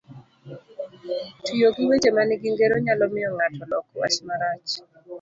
Tiyo gi weche manigi ngero nyalo miyo ng'ato lok wach marach,